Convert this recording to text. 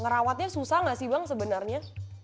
ngerawatnya susah nggak sih bang sebenarnya